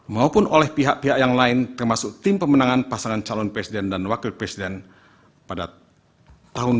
maupun oleh pihak pihak yang lain termasuk tim pemenangan pasangan calon presiden dan wakil presiden pada tahun dua ribu dua puluh